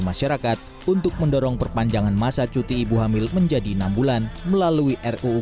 masyarakat untuk mendorong perpanjangan masa cuti ibu hamil menjadi enam bulan melalui ruu